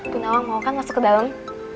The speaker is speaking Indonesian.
bu nawang mau kan masuk ke dalam